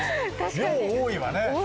量多いはね。